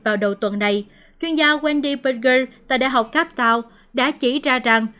vào đầu tuần này chuyên gia wendy berger tại đại học cape town đã chỉ ra rằng